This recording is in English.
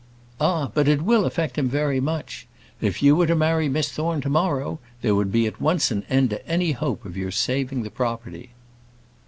"Ah, but it will affect him very much. If you were to marry Miss Thorne to morrow, there would at once be an end to any hope of your saving the property."